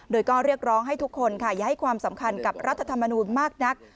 โดยก็เรียกร้องให้ทุกคนค่ะอย่าให้ความสำคัญกับรัฐธรรมนูลมากนัก